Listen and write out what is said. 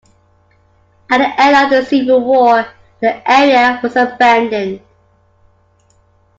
At the end of the Civil War, the area was abandoned.